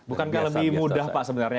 bukankah lebih mudah pak sebenarnya